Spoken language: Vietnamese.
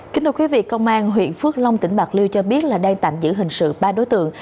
kính thưa quý vị công an huyện phước long tỉnh bạc liêu cho biết là đang tạm giữ hình sự ba đối tượng